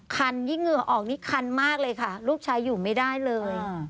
คันยิ่งเหงื่อออกนี่คันมากเลยค่ะลูกชายอยู่ไม่ได้เลย